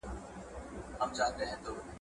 زه مخکي د کتابتون لپاره کار کړي وو!.